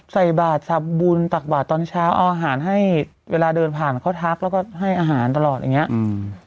ใส่บาทสับบุญตักบาทตอนเช้าเอาอาหารให้เวลาเดินผ่านเขาทักแล้วก็ให้อาหารตลอดอย่างเงี้อืม